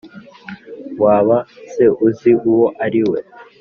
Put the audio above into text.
Waba se uzi uwo ari we?